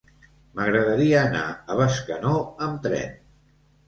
M'agradaria anar a Bescanó amb tren.